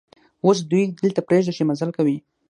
اوس دوی دلته پرېږده چې مزل کوي.